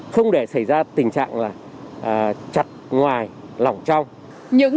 không để xảy ra tình trạng chặt ngoài lỏng trong